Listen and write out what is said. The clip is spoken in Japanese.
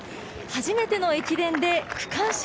初めての駅伝で区間賞。